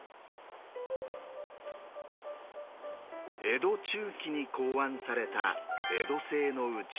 江戸中期に考案された江戸製のうちわ。